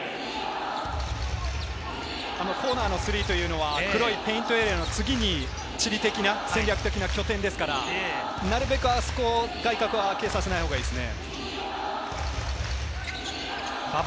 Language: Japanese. コーナーのスリーは黒いペイントエリアの次に戦略的な拠点ですから、なるべく、あそこの外角をあけさせないほうがいいですね。